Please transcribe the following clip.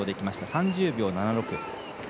３０秒７６。